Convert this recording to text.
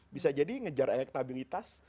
bisa jadi mengejar elektabilitas